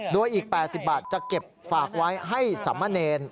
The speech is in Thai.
โดยอีก๘๐บาทจะเก็บฝากไว้ให้สามเณร